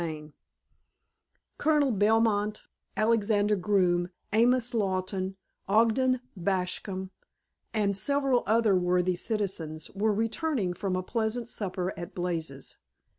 XXXIV Colonel Belmont, Alexander Groome, Amos Lawton, Ogden Bascom and several other worthy citizens, were returning from a pleasant supper at Blazes'.